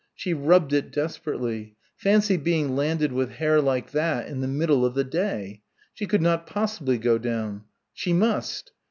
She rubbed it desperately fancy being landed with hair like that, in the middle of the day! She could not possibly go down.... She must.